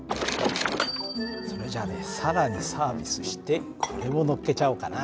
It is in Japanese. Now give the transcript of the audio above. それじゃあね更にサービスしてこれものっけちゃおうかな。